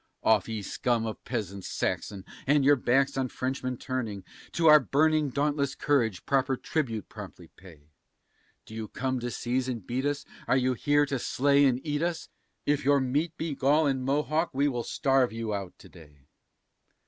"Off, ye scum of peasants Saxon, and your backs on Frenchmen turning, To our burning, dauntless courage proper tribute promptly pay; Do you come to seize and beat us? Are you here to slay and eat us? If your meat be Gaul and Mohawk, we will starve you out to day."